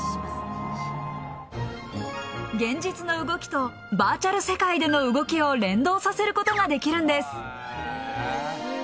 現実の動きとバーチャル世界での動きを連動させることができるんです。